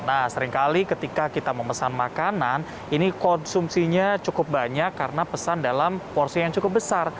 nah seringkali ketika kita memesan makanan ini konsumsinya cukup banyak karena pesan dalam porsi yang cukup besar